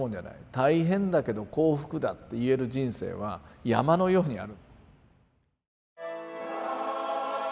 「大変だけど幸福だ」って言える人生は山のようにある。